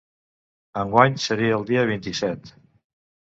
Enguany seria el dia vint-i-set.